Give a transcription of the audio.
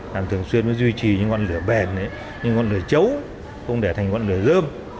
làm thường xuyên mới duy trì những ngọn lửa bền những ngọn lửa chấu không để thành ngọn lửa dơm